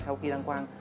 sau khi đăng quang